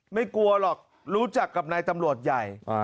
ไม่กลัวหรอกรู้จักกับนายตำรวจใหญ่